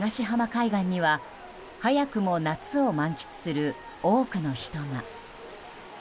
海岸には早くも夏を満喫する多くの人が。